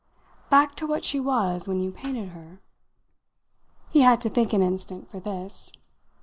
"Back to what she was when you painted her?" He had to think an instant for this.